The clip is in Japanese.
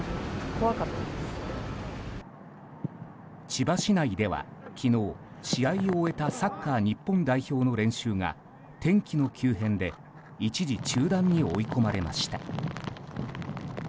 千葉市内では昨日、試合を終えたサッカー日本代表の練習が天気の急変で一時、中断に追い込まれました。